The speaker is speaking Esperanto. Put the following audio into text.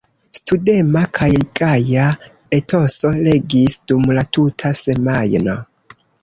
Studema kaj gaja etoso regis dum la tuta semajno.